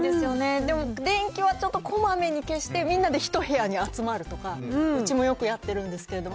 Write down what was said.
でも、電気はちょっとこまめに消して、みんなで１部屋に集まるとか、うちもよくやってるんですけれども。